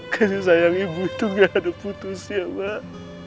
tapi sayang ibu itu gak ada putusnya mak